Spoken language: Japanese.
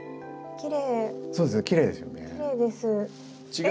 きれいです。